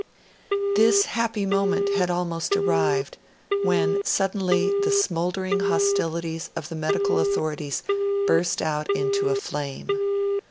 This happy moment had almost arrived, when suddenly the smouldering hostilities of the medical authorities burst out into a flame.